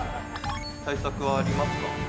対策はありますか？